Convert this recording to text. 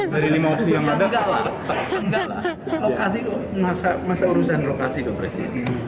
dari lima opsi yang ada enggak lah masa urusan lokasi pak presiden